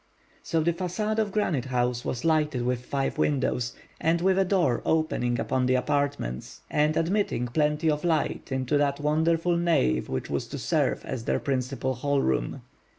So the facade of Granite House was lighted with five windows, and with a door opening upon the "apartments," and admitting plenty of light into that wonderful nave which was to serve as their principal hallroom.